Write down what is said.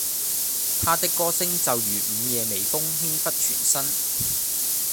他的歌聲就如午夜微風輕拂全身